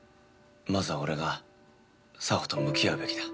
まずは俺が沙帆と向き合うべきだ。